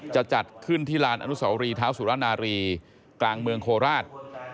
จะจัดขึ้นที่ลานอนุสวรีเท้าสุรนารีกลางเมืองโคราช